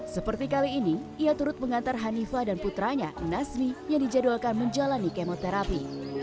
seperti kali ini ia turut mengantar hanifah dan putranya nasmi yang dijadwalkan menjalani kemoterapi